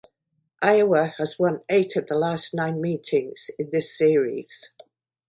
Iowa has won eight of the last nine meetings in this series.